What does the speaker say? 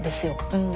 うん。